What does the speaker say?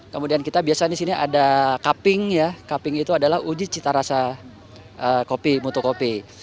kemudian kita biasanya di sini ada kaping ya kaping itu adalah uji cita rasa kopi mutu kopi